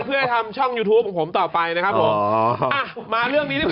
เพื่อให้ทำช่องยูทูปของผมต่อไปนะครับผมอ่ะมาเรื่องนี้ดีกว่า